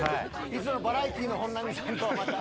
いつものバラエティーの本並さんとはまた。